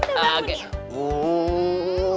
saya udah bangun ya